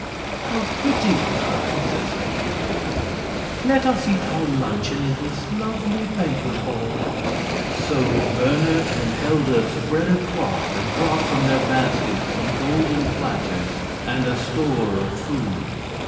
"How pretty!" cried Seseley, gaily. "Let us eat our luncheon in this lovely banquet hall!" So Berna and Helda spread a cloth and brought from their baskets some golden platters and a store of food.